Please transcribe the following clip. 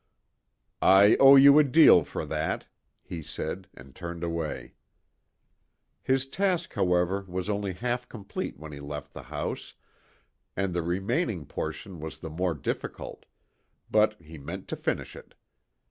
"I owe you a deal for that," he said and turned away. His task, however, was only half complete when he left the house, and the remaining portion was the more difficult, but he meant to finish it.